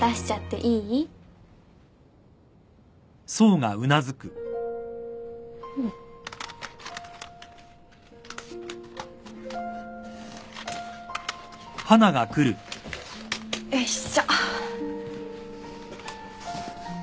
よいしょ。